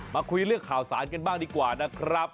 คุยเรื่องข่าวสารกันบ้างดีกว่านะครับ